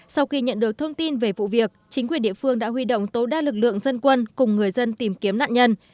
sau khi nhận được thông tin về vụ việc chính quyền địa phương đã huy động tối đa lực lượng dân quân cùng người dân tìm kiếm nạn nhân